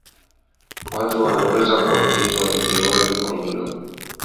Watu wanaweza kuambukizwa vidoleni na viganjani kwa kugusa jeraha la mnyama mwenye maambukizi